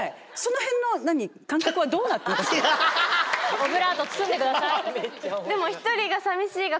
オブラート包んでください。